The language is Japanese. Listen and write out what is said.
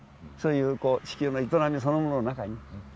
そういう地球の営みそのものの中に。